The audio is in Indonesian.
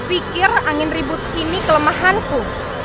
pikir angin ribut ini kelemahanku